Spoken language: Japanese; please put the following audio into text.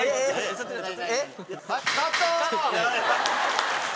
ちょっと待って。